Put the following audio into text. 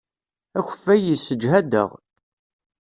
Akeffay yessejhad-aɣ.